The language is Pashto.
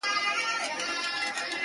ستا په غاړه کي مي لاس وو اچولی -